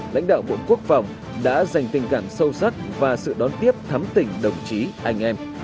lãnh đạo bộ quốc phòng đã dành tình cảm sâu sắc và sự đón tiếp thắm tỉnh đồng chí anh em